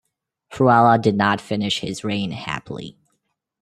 Fruela did not finish his reign happily.